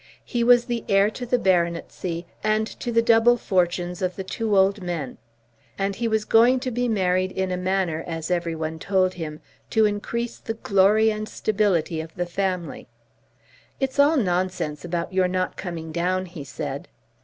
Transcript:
He was the heir to the baronetcy, and to the double fortunes of the two old men. And he was going to be married in a manner as every one told him to increase the glory and stability of the family. "It's all nonsense about your not coming down," he said.